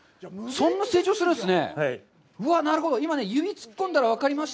そんな成長するんですね。